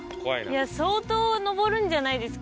相当上るんじゃないですか？